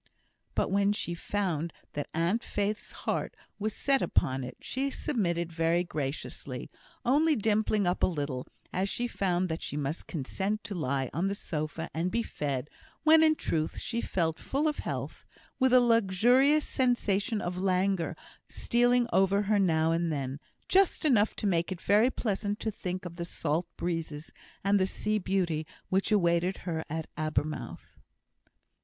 But when she found that Aunt Faith's heart was set upon it, she submitted very graciously, only dimpling up a little, as she found that she must consent to lie on the sofa, and be fed, when, in truth, she felt full of health, with a luxurious sensation of languor stealing over her now and then, just enough to make it very pleasant to think of the salt breezes, and the sea beauty which awaited her at Abermouth.